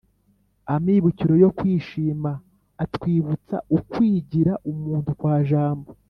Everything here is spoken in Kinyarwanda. amibukiro yo kwishima atwibutsa ukwigira umuntu kwa jambo,